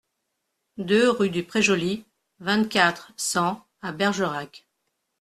deux rue du Pré Joli, vingt-quatre, cent à Bergerac